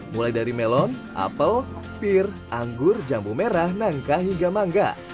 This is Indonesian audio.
mulai dari melon apel pir anggur jambu merah nangkah hingga mangga